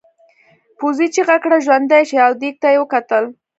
پوځي چیغه کړه ژوندي شئ او دېگ ته یې وکتل.